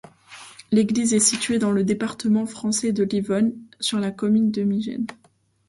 L'église est située dans le département français de l'Yonne, sur la commune de Migennes.